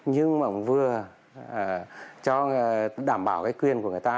nhưng mà vừa cho đảm bảo cái quyền của người ta